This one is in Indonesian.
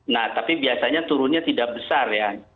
nah tapi biasanya turunnya tidak besar ya